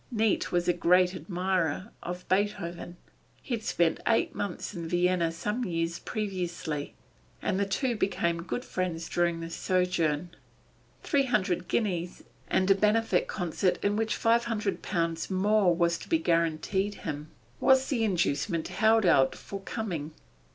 Neate was a great admirer of Beethoven. He had spent eight months in Vienna some years previously, and the two became good friends during this sojourn. Three hundred guineas, and a benefit concert in which five hundred pounds more was to be guaranteed him, was the inducement held out for coming.